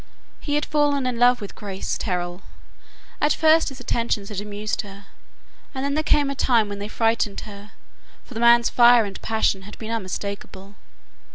He had fallen in love with Grace Terrell. At first his attentions had amused her, and then there came a time when they frightened her, for the man's fire and passion had been unmistakable.